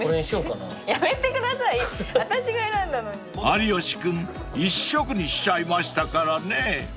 ［有吉君１色にしちゃいましたからね］